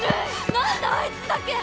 なんであいつだけ！